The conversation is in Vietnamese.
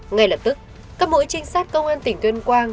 ngay lập tức các mũi trinh sát công an tỉnh tuyên quang